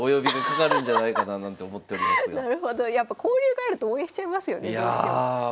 やっぱ交流があると応援しちゃいますよねどうしても。